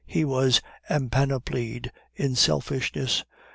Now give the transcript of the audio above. He was empanoplied in selfishness.